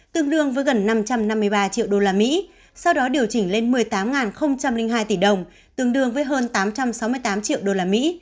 tương đương với gần năm trăm năm mươi ba triệu usd sau đó điều chỉnh lên một mươi tám hai tỷ đồng tương đương với hơn tám trăm sáu mươi tám triệu usd